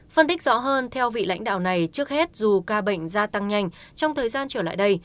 phân tích rõ hơn theo vị lãnh đạo này trước hết dù ca bệnh gia tăng nhanh trong thời gian trở lại đây